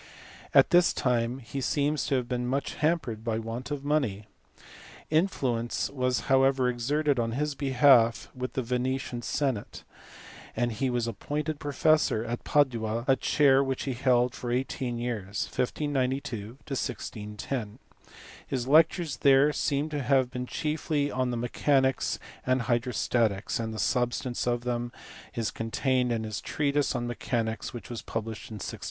At this time he seems to have been much hampered by want of money. Influence was however exerted on his behalf with the Venetian senate, and he was appointed professor at Padua, a chair which he held for eighteen years (1592 1610). His lectures there seem to have been chiefly on mechanics and hydrostatics, and the substance of them is contained in his treatise on mechanics which was published in 1612.